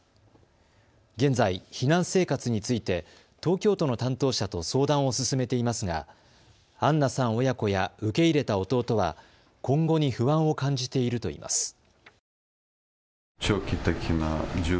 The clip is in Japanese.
現在、避難生活について東京都の担当者と相談を進めていますがアンナさん親子や受け入れた弟は今後に不安を感じているといいます。